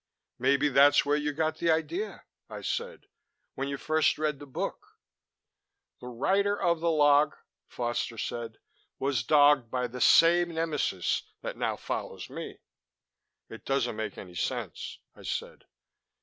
"Maybe that's where you got the idea," I said. "When you first read the book " "The writer of the log," Foster said, "was dogged by the same nemesis that now follows me." "It doesn't make any sense," I said.